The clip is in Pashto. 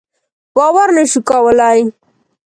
باور نه شو کولای.